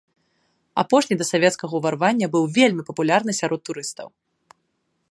Апошні да савецкага ўварвання быў вельмі папулярны сярод турыстаў.